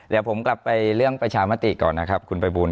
เดี๋ยวผมกลับไปเรื่องประชามติก่อนนะครับคุณภัยบูล